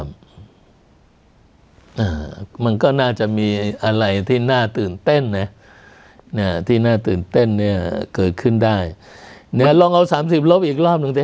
มันก็น่าจะมีอะไรที่น่าตื่นเต้นนะที่น่าตื่นเต้นเนี่ยเกิดขึ้นได้เนี่ยลองเอาสามสิบลบอีกรอบหนึ่งสิ